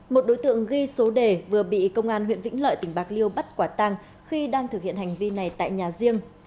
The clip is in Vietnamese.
một đối tượng ghi số đề vừa bị công an huyện vĩnh lợi tỉnh bạc liêu bắt quả tăng khi đang thực hiện hành vi này tại nhà riêng